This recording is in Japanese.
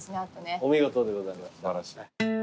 お見事でございました。